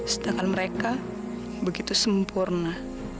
sedangkan mereka begitu sempurna